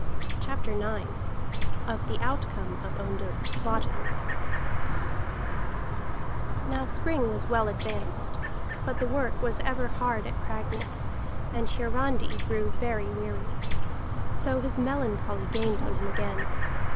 CHAPTER IX OF THE OUTCOME OF ONDOTT'S PLOTTINGS Now spring was well advanced, but the work was ever hard at Cragness, and Hiarandi grew very weary. So his melancholy gained on him again.